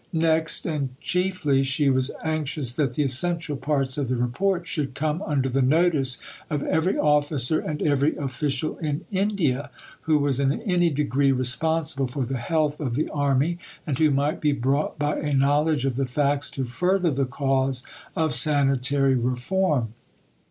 Next, and chiefly, she was anxious that the essential parts of the Report should come under the notice of every officer and every official in India who was in any degree responsible for the health of the army and who might be brought by a knowledge of the facts to further the cause of sanitary reform.